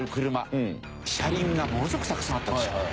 車輪がものすごくたくさんあったでしょ？